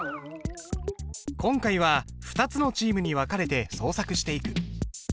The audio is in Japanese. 今回は２つのチームに分かれて創作していく。